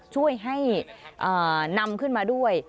ช่วยให้นำขึ้นมาด้วย